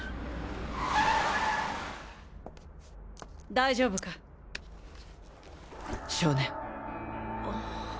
大丈夫か少年。